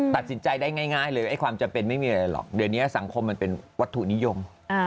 ตัดสินใจได้ง่ายเลยความจำเป็นไม่มีอะไรหรอกเดี๋ยวนี้สังคมมันเป็นวัตถุนิยม